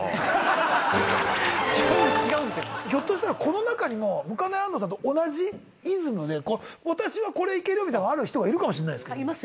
ひょっとしたらこの中にもむかない安藤さんと同じイズムで私はこれいけるみたいなのある人がいるかもしれない。